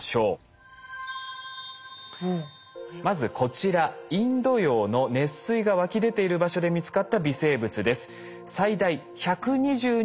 まずこちらインド洋の熱水が湧き出ている場所で見つかった微生物です。